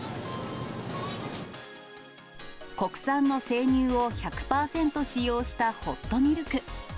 国産の生乳を１００％使用したホットミルク。